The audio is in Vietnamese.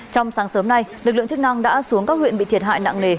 trong sáng sớm nay lực lượng chức năng đã xuống các huyện bị thiệt hại nặng nề